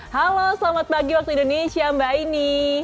halo selamat pagi waktu indonesia mbak aini